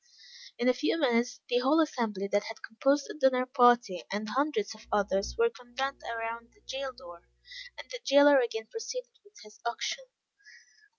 In a few minutes the whole assembly, that had composed the dinner party, and hundreds of others, were convened around the jail door, and the jailer again proceeded with his auction.